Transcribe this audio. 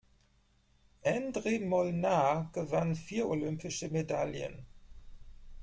Endre Molnár gewann vier olympische Medaillen.